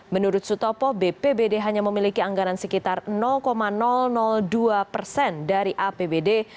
menurut sutopo bpbd hanya memiliki anggaran sekitar dua persen dari apbd